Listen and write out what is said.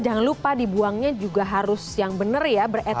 jangan lupa dibuangnya juga harus yang benar ya beretika